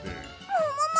ももも！